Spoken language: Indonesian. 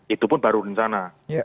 itu pun baru rencana